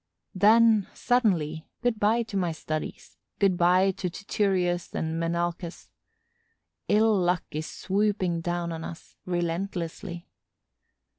Then, suddenly, good by to my studies, good by to Tityrus and Menalcas. Ill luck is swooping down on us, relentlessly.